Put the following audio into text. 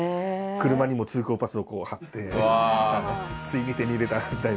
車にも通行パスをこう貼ってついに手に入れたみたいな。